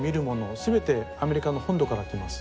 全てアメリカの本土から来ます。